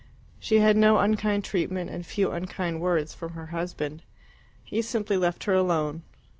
She had no unkind treatment, and few unkind words, from her husband. He simply left her alone.